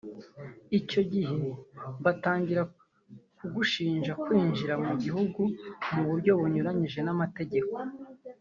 Icyo gihe batangira kugushinja kwinjira mu gihugu mu buryo bunyuranyije n’amategeko